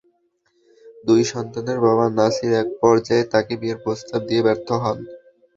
দুই সন্তানের বাবা নাসির একপর্যায়ে তাঁকে বিয়ের প্রস্তাব দিয়ে ব্যর্থ হন।